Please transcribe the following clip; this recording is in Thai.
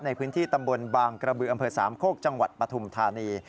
ในพื้นที่ตำบลบางกระบืออำเภอสามโคกจังหวัดปฐุมธานี